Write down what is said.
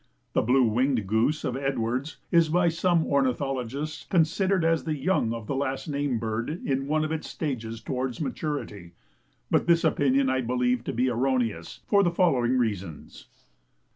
The blue winged goose of Edwards is by some ornithologists considered as the young of the last named bird in one of its stages towards maturity, but this opinion I believe to be erroneous, for the following reasons.